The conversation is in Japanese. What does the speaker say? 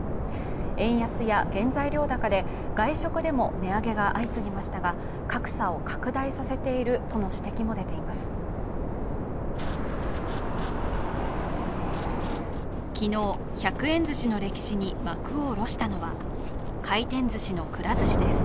円安や原材料高で外食でも値上げが相次ぎましたが格差を拡大させているとの指摘も出ています。